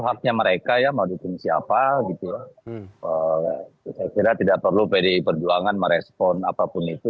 haknya mereka yang mau dipilih siapa gitu ya tidak perlu pdi perjuangan merespon apapun itu